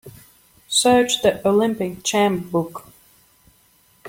Search The Olympic Champ book.